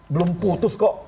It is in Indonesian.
belum putus kok